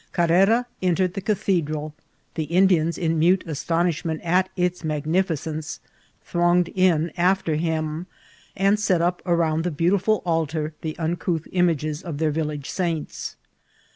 Carrera entered the Cathedral; the Indians, in mute astonishment at its magnificence, thronged ni lafter him, and set up around the beautifni ahar the un» couth images of their village saints.